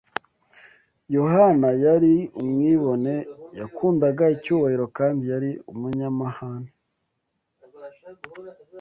Yohana yari umwibone, yakundaga icyubahiro kandi yari umunyamahane;